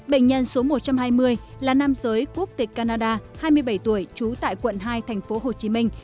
bệnh nhân số một trăm hai mươi là nam giới quốc tịch canada hai mươi bảy tuổi trú tại quận hai thành phố hồ chí minh